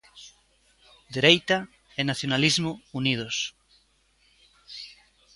Dereita e nacionalismo unidos.